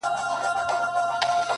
خو اوس د اوښكو سپين ځنځير پر مخ گنډلی،